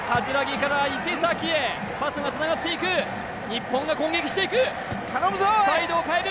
木から伊勢崎へパスがつながっていく日本が攻撃していく頼むぞおい